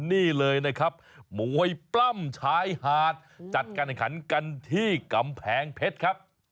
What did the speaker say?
โหม่ยปล้ำชายหดจัดการหล่ำเผ็ดกันที่กำแพงเพชร